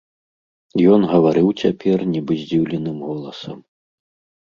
Ён гаварыў цяпер нібы здзіўленым голасам.